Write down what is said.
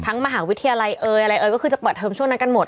มหาวิทยาลัยเอ่ยอะไรเอ่ยก็คือจะเปิดเทอมช่วงนั้นกันหมด